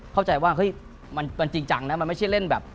เข้าใจว่าเฮ้ยมันจริงจังนะมันไม่ใช่เล่นแบบ